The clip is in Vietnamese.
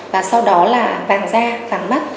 và sau đó là vàng da vàng mắt